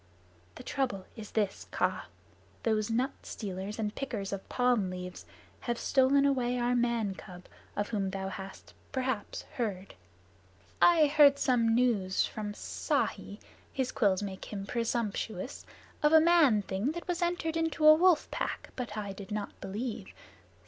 "The trouble is this, Kaa. Those nut stealers and pickers of palm leaves have stolen away our man cub of whom thou hast perhaps heard." "I heard some news from Ikki (his quills make him presumptuous) of a man thing that was entered into a wolf pack, but I did not believe.